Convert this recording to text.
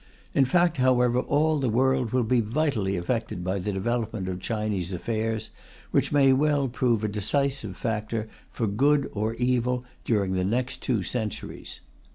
In fact, however, all the world will be vitally affected by the development of Chinese affairs, which may well prove a decisive factor, for good or evil, during the next two centuries.